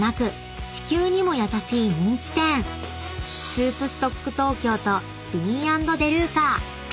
［ＳｏｕｐＳｔｏｃｋＴｏｋｙｏとＤＥＡＮ＆ＤＥＬＵＣＡ］